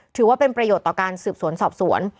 ถือว่าเป็นประโยชน์ต่อการสืบสวนสอบสวน